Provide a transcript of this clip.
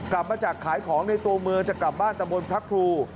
กลับมาจากขายของในตัวเมืองจะกลับบ้านตะบนพระครู